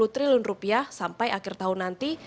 dua puluh triliun rupiah sampai akhir tahun nanti